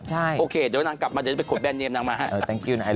ใช่โอเคเดี๋ยวนางกลับมาเดี๋ยวจะไปขนแบนเนี่ยมนางมาเฮ้ะ